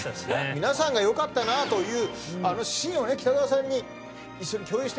皆さんがよかったというあのシーンを北川さんに一緒に共有してもらいたい。